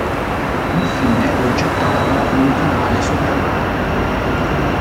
Infine lo gettarono in un canale sotterraneo.